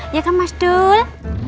ya kan mas dul